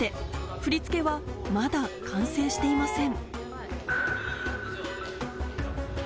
振り付けはまだ完成していません。